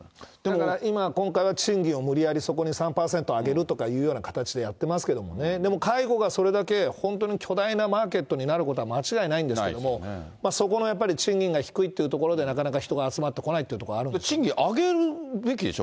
だから今、賃金を無理やり３％上げるとかいうような形でやってますけどね、でも介護がそれだけ本当に巨大なマーケットになることは間違いないんですけども、そこのやっぱり賃金が低いっていうところでなかなか人が集まって賃金上げるべきでしょ。